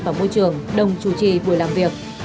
và môi trường đồng chủ trì buổi làm việc